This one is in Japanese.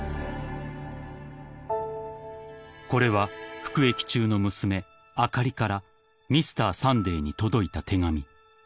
［これは服役中の娘あかりから『Ｍｒ．サンデー』に届いた手紙］